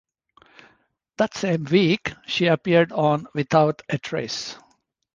That same week, she appeared on "Without a Trace".